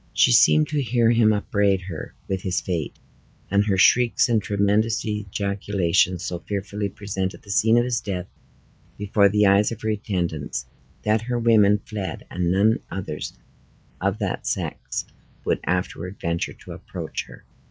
She seemed to hear him upbraid her with his fate: and her shrieks and tremendous ejaculations so fearfully presented the scene of his death before the eyes of her attendants, that her women fled and none others of that sex would afterward venture to approach her.